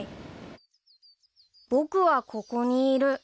［僕はここにいる］